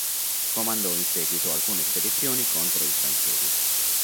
Comandò in seguito alcune spedizioni contro i francesi.